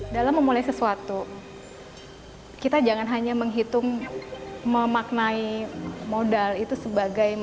dalam memulai sesuatu kita jangan hanya menghitung memaknai modal itu sebagai